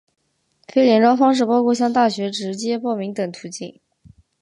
非联招方式包括向大学直接报名等途径。